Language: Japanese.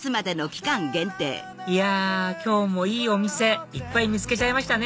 今日もいいお店いっぱい見つけちゃいましたね